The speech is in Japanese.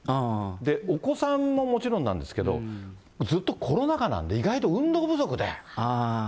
お子さんももちろんなんですけれども、ずっとコロナ禍なんで、意外と運動不足で。